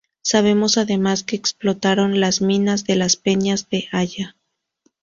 Sabemos además que explotaron las minas de las Peñas de Aya.